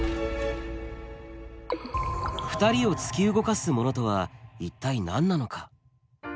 ２人を突き動かすものとは一体何なのか？